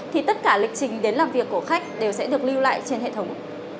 thì tất cả lịch trình đến làm việc của khách đều sẽ được lưu lại trên hệ thống